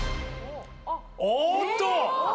おっと！